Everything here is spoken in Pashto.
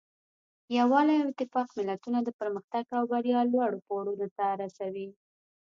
یووالی او اتفاق ملتونه د پرمختګ او بریا لوړو پوړونو ته رسوي.